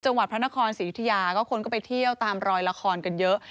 จังหวัดพระนครศรียุธยาก็คนก็ไปเที่ยวตามรอยละครกันเยอะ